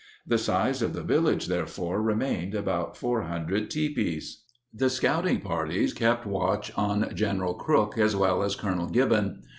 The size of the village, therefore, remained about 400 tipis. The scouting parties kept watch on General Crook as well as Colonel Gibbon.